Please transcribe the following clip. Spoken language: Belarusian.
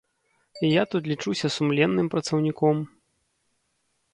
Я тут лічуся сумленным працаўніком.